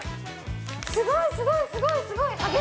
すごい、すごい、すごい！